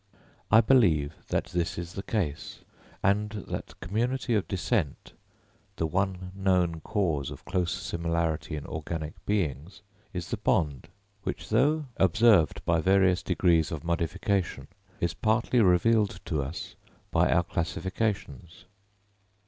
I believe that this is the case, and that community of descent—the one known cause of close similarity in organic beings—is the bond, which, though observed by various degrees of modification, is partially revealed to us by our classifications.